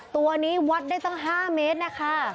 ตัวนี้วัดได้ตั้ง๕เมตรนะคะ